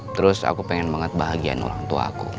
terus aku pengen banget bahagia dengan orang tua aku